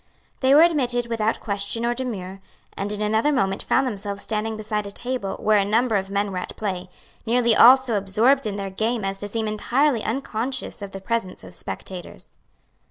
They were admitted without question or demur, and in another moment found themselves standing beside a table where a number of men were at play, nearly all so absorbed in their game as to seem entirely unconscious of the presence of spectators.